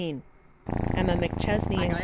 Emma McChesney & Co.